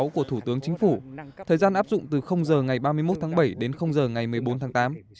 của thủ tướng chính phủ thời gian áp dụng từ giờ ngày ba mươi một tháng bảy đến giờ ngày một mươi bốn tháng tám